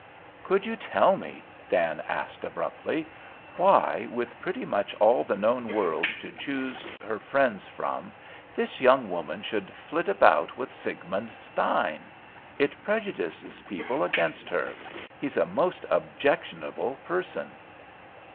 "'Could you tell me,' Dan asked abruptly, 'why, with pretty much all the known world to choose her friends from, this young woman should flit about with Siegmund Stein? It prejudices people against her. He's a most objectionable person.'